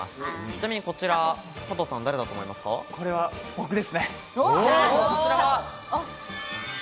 ちなみにこちら、佐藤さん、誰だと思いこれは僕ですね。